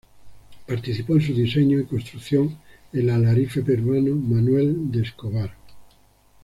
Participó en su diseño y construcción el alarife peruano Manuel de Escobar.